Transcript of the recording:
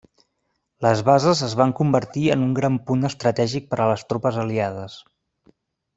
Les bases es van convertir en un gran punt estratègic per a les tropes Aliades.